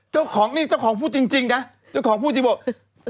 เจ้าของนี่เจ้าของพูดจริงนะเจ้าของพูดจริงบอก